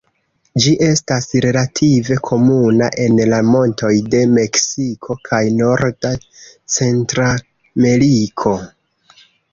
Ĝi estas relative komuna en la montoj de Meksiko kaj norda Centrameriko.